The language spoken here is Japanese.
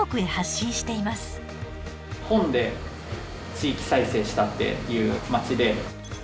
本で地域再生したっていう街で。